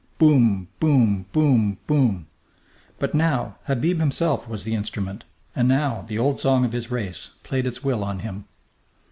"Boom boom boom boom " But now Habib himself was the instrument, and now the old song of his race played its will on him.